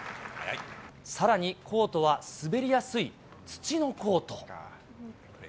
さらに、コートは滑りやすい土のコート。